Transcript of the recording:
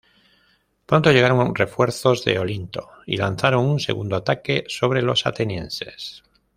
Pronto llegaron refuerzos de Olinto, y lanzaron un segundo ataque sobre los atenienses.